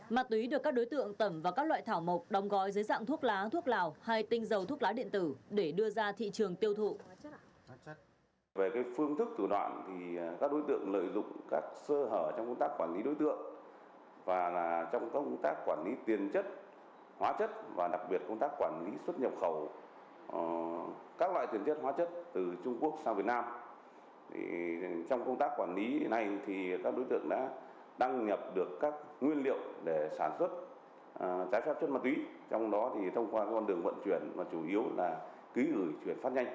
ma túy được các đối tượng tẩm vào các loại thảo mộc đồng gói dưới dạng thuốc lá thuốc lào hay tinh dầu thuốc lá điện tử để đưa ra thị trường tiêu thụ